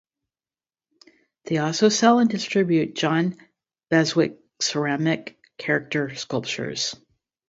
They also sell and distribute John Beswick ceramic character sculptures.